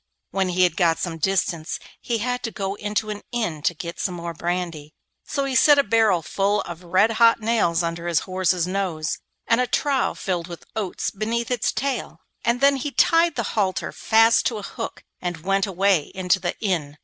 When he had got some distance he had to go into an inn to get some more brandy; so he set a barrel full of red hot nails under his horse's nose, and a trough filled with oats beneath its tail, and then he tied the halter fast to a hook and went away into the inn.